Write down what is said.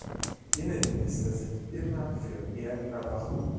Innenminister sind immer für mehr Überwachung.